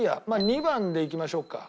２番でいきましょうか。